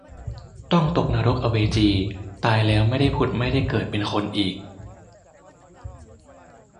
ต้องตกนรกอเวจีตายแล้วไม่ได้ผุดไม่ได้เกิดเป็นคนอีก